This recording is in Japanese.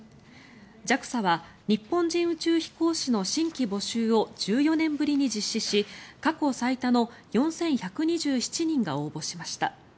ＪＡＸＡは日本人宇宙飛行士の新規募集を１４年ぶりに実施し過去最多の４１２７人が応募しました。